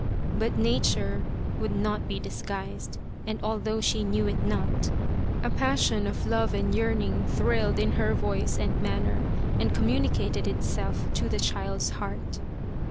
But nature would not be disguised, and although she knew it not, a passion of love and yearning thrilled in her voice and manner and communicated itself to the child's heart.